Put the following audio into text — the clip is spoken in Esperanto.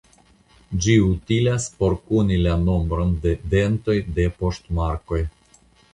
Ĝi utilas por koni la nombron de dentoj de poŝtmarkoj.